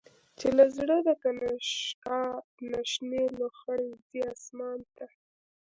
چی له زړه د«کنشکا» نه، شنی لوخړی ځی آسمان ته